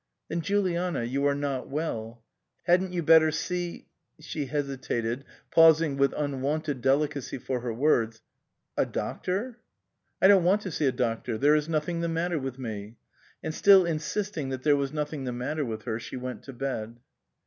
"Then, Juliana, you are not well. Hadn't you better see " she hesitated pausing with unwonted delicacy for her words " a doctor ?" "I don't want to see a doctor. There is nothing the matter with me." And still insist ing that there was nothing the matter with her she went to bed.